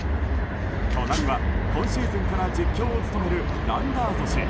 隣は今シーズンから実況を務めるランダーゾ氏。